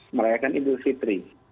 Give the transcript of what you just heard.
merayakan idul fitri